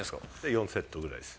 ４セットぐらいです。